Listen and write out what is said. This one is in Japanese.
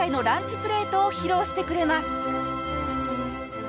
プレートを披露してくれます！